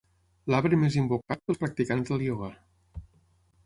L'arbre més invocat pels practicants del ioga.